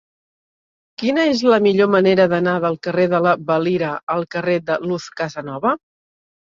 Quina és la millor manera d'anar del carrer de la Valira al carrer de Luz Casanova?